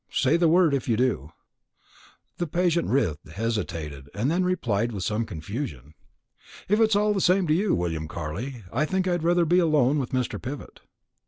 Say the word, if you do." The patient writhed, hesitated, and then replied with some confusion, "If it's all the same to you, William Carley, I think I'd sooner be alone with Mr. Pivott."